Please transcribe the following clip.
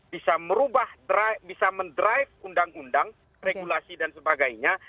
bisa merubah bisa mendrive undang undang regulasi dan sebagainya